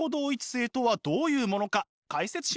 解説します！